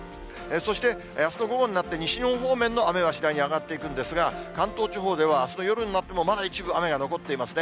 そして、あすの午後になって西日本方面の雨は次第に上がっていくんですが、関東地方ではあすの夜になっても、まだ一部雨が残ってますね。